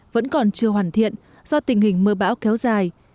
vẫn còn chưa hoàn thiện do tình hình mưa bão kéo dài